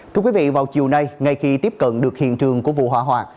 thưa quý vị vào chiều nay ngay khi tiếp cận được hiện trường của vụ hỏa hoạn